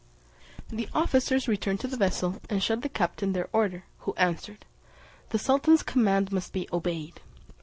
The officers returned to the vessel and shewed the captain their order, who answered, "The sultan's command must be obeyed."